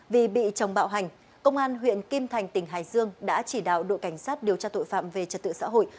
vì bị chồng bạo hành công an huyện kim thành tỉnh hải dương đã chỉ đạo đội cảnh sát điều tra tội phạm về trật tự xã hội